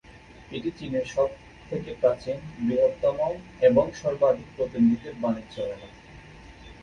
এটি চীনের সবথেকে প্রাচীন, বৃহত্তম এবং সর্বাধিক প্রতিনিধিদের বাণিজ্য মেলা।